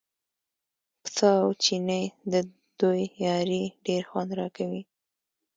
پسه او چینی او د دوی یاري ډېر خوند راکوي.